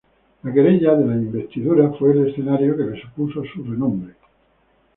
La Querella de las Investiduras fue el escenario que le supuso su renombre.